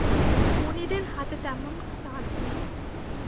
মুনিরের হাতে তেমন কোজ নেই।